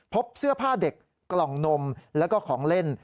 พบเสื้อผ้าเด็กกล่องนมแล้วก็ของเล่น